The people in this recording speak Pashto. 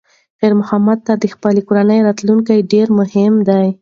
خیر محمد ته د خپلې کورنۍ راتلونکی ډېر مهم دی.